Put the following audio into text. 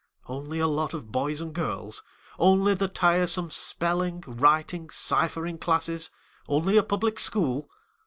Only a lot of boys and girls? Only the tiresome spelling, writing, ciphering classes? Only a public school?